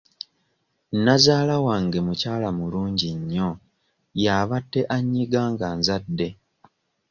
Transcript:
Nazaala wange mukyala mulungi nnyo y'abadde annyiga nga nzadde.